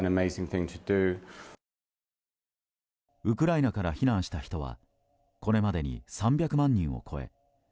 ウクライナから避難した人はこれまでに３００万人を超え